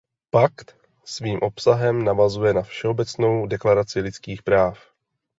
Pakt svým obsahem navazuje na Všeobecnou deklaraci lidských práv.